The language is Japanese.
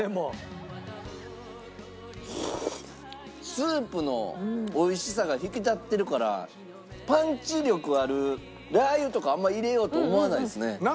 スープの美味しさが引き立ってるからパンチ力あるラー油とかあんまり入れようと思わないですね。